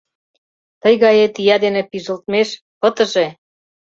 Тый гает ия дене пижылтмеш — пытыже!..